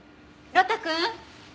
呂太くん！